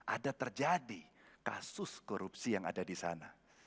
ada terjadi kasus korupsi yang ada di sana